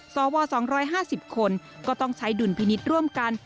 สว๒๕๐คนก็ต้องใช้ดุลพินิษฐ์ร่วมกัน